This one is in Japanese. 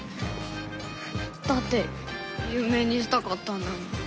だってゆう名にしたかったんだもん。